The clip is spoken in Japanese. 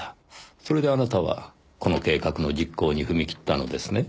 それであなたはこの計画の実行に踏み切ったのですね？